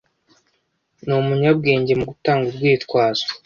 Ni umunyabwenge mu gutanga urwitwazo.